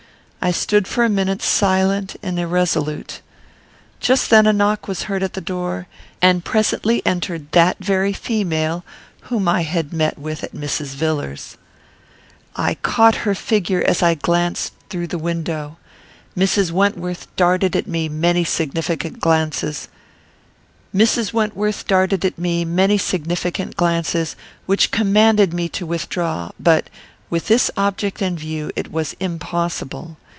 I stood for a minute silent and irresolute. Just then a knock was heard at the door, and presently entered that very female whom I had met with at Villars's. I caught her figure as I glanced through the window. Mrs. Wentworth darted at me many significant glances, which commanded me to withdraw; but, with this object in view, it was impossible.